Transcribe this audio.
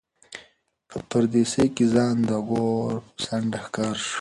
په پردېسۍ کې ځان د ګور په څنډه ښکاره شو.